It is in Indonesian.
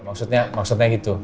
maksudnya maksudnya gitu